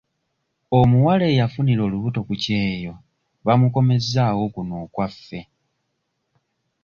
Omuwala eyafunira olubuto ku kyeyo bamukomezzaawo kuno okwaffe.